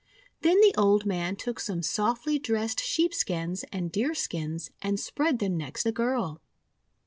Then the old man took some softly dressed sheepskins and deerskins and spread them next the girl.